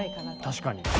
確かに。